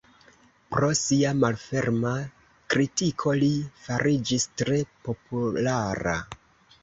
Pro sia malferma kritiko li fariĝis tre populara.